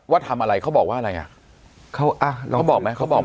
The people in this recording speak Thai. ว่าทำอะไรเขาบอกว่าอะไรอ่ะเขาอ่ะแล้วเขาบอกไหมเขาบอก